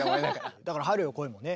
だから「春よ、来い」もね